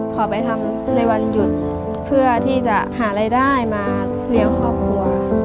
ขอไปทำในวันหยุดเพื่อที่จะหารายได้มาเลี้ยงครอบครัว